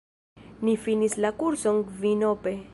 Ni finis la kurson kvinope.